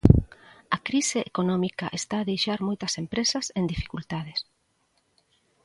A crise económica está a deixar moitas empresas en dificultades.